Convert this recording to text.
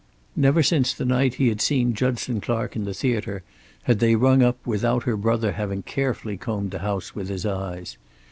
Never since the night he had seen Judson Clark in the theater had they rung up without her brother having carefully combed the house with his eyes.